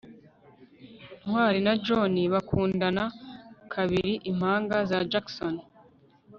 ntwali na john bakundana kabiri impanga za jackson